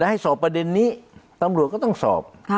ให้สอบประเด็นนี้ตำรวจก็ต้องสอบ